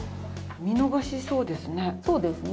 見逃しそうですね。